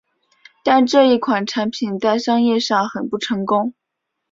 但这一款产品在商业上很不成功。